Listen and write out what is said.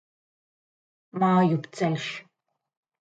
Mājupceļš.